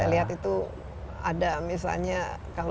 saya lihat itu ada misalnya kang